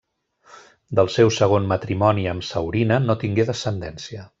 Del seu segon matrimoni amb Saurina no tingué descendència.